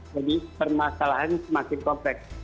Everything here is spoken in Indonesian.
jadi permasalahan semakin kompleks